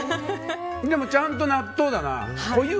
でもちゃんと納豆だな。